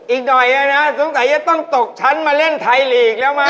อีกหน่อยนะสงสัยจะต้องตกชั้นมาเล่นไทยลีกแล้วมั้